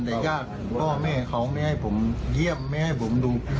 แต่ญาติพ่อแม่เขาไม่ให้ผมเยี่ยมไม่ให้ผมดู